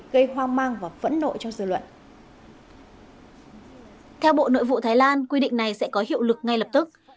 theo bộ nội vụ thái lan quy định này sẽ có hiệu lực ngay lập tức